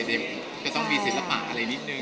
ก็ต้องมีศิลปะอะไรนิดนึง